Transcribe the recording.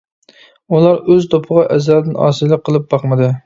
ئۇلار ئۆز توپىغا ئەزەلدىن ئاسىيلىق قىلىپ باقمىدى.